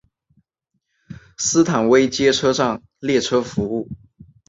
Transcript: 斯坦威街车站列车服务。